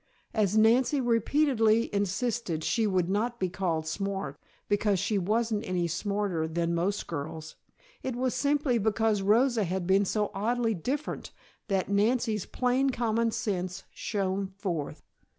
As Nancy repeatedly insisted she would not be called smart, because she wasn't any smarter than most girls; it was simply because Rosa had been so oddly different that Nancy's plain common sense shone forth.